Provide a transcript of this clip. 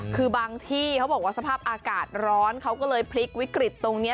คือบางที่เขาบอกว่าสภาพอากาศร้อนเขาก็เลยพลิกวิกฤตตรงนี้